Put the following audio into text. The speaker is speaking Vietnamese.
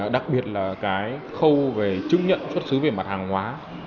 đặc biệt là cái khâu về chứng nhận xuất xứ về mặt hàng hóa